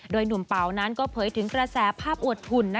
โดยหนุ่มเป๋านั้นก็เผยถึงกระแสภาพอวดหุ่น